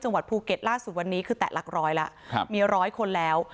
จังหวัดภูเก็ตล่าสุดวันนี้คือแตะหลักร้อยแล้วมีร้อยคนแล้ว